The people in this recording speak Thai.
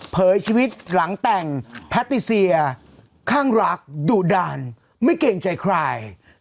ชีวิตหลังแต่งแพทติเซียข้างรักดุดันไม่เกรงใจใคร